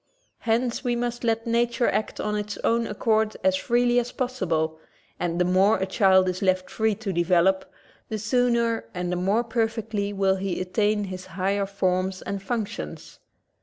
Hence we must let nature act ! of its own accord as freely as possible and the more a child is left free to develop, the sooner and the more perfectly will he attain his higher forms and functions.